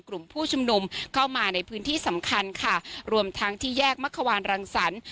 กลุ่มผู้ชุมนุมเข้ามาในพื้นที่สำคัญค่ะรวมทั้งที่แยกมะควานรังสรรค์